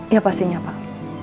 ya pastinya pak